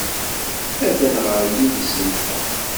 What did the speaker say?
Atan ɣer yidis-nteɣ.